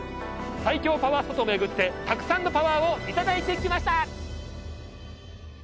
最強パワースポットを巡ってたくさんのパワーをいただいてきました！